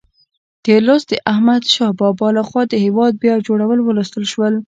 تېر لوست د احمدشاه بابا لخوا د هېواد بیا جوړول ولوستل شول.